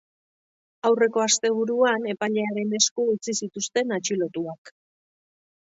Aurreko asteburuan epailearen esku utzi zituzten atxilotuak.